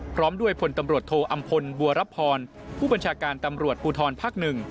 พร้อมด้วยพลตำรวจโทอำพลบัวรับพรผู้บัญชาการตำรวจภูทรภักดิ์๑